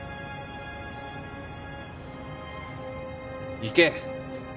行け！